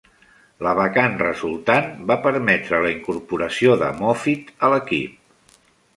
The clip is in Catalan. La vacant resultant va permetre la incorporació de Moffitt a l'equip.